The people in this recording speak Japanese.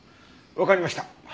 わかりました。